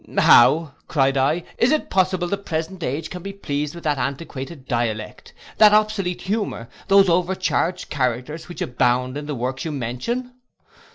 '—'How,' cried I, 'is it possible the present age can be pleased with that antiquated dialect, that obsolete humour, those overcharged characters, which abound in the works you mention?